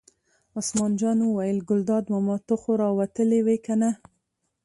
عثمان جان وویل: ګلداد ماما ته خو را وتلې وې کنه.